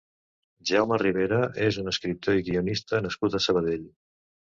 Jaume Ribera és un escriptor i guionista nascut a Sabadell.